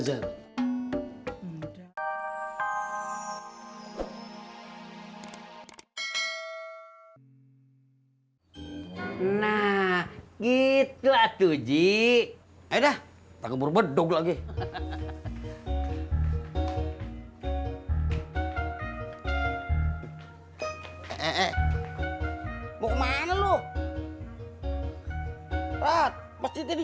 sampai jumpa di video selanjutnya